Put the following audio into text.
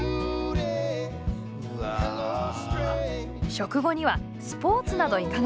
食後にはスポーツなどいかがでしょう？